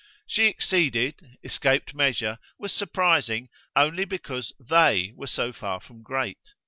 She exceeded, escaped measure, was surprising only because THEY were so far from great.